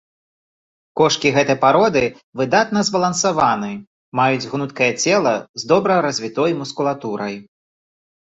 Кошкі гэтай пароды выдатна збалансаваны, маюць гнуткае цела з добра развітой мускулатурай.